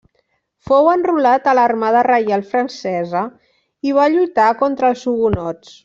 Fou enrolat a l'armada reial francesa i va lluitar contra els hugonots.